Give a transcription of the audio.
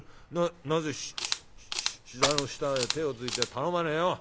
なぜひ膝の下へ手をついて頼まねえよ？